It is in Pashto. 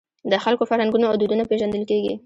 د خلکو فرهنګونه او دودونه پېژندل کېږي.